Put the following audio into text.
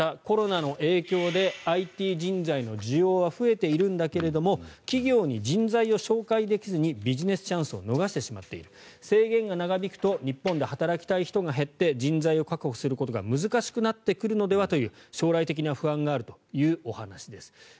コロナの影響でＩＴ人材の需要は増えているんだけども企業に人材を紹介できずにビジネスチャンスを逃してしまっている制限が長引くと日本で働きたい人が減って人材を確保することが難しくなってくるのではという将来的な不安があるというお話です。